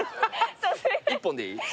１本でいい？